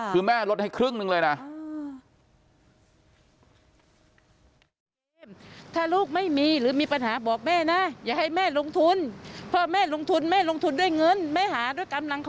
คือแม่ลดให้ครึ่งหนึ่งเลยนะ